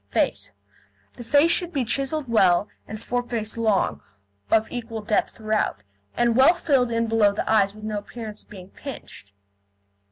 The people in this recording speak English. FACE The face should be chiselled well and foreface long, of equal depth throughout, and well filled in below the eyes with no appearance of being pinched.